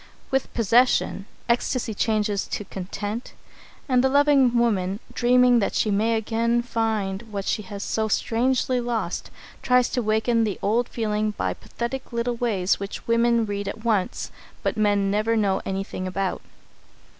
With possession, ecstasy changes to content, and the loving woman, dreaming that she may again find what she has so strangely lost, tries to waken the old feeling by pathetic little ways which women read at once, but men never know anything about.